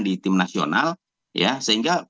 di tim nasional ya sehingga